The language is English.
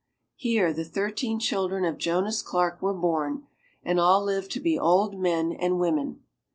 Here the thirteen children of Jonas Clark were born, and all lived to be old men and women.